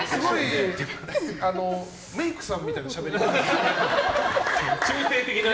メイクさんみたいなしゃべり。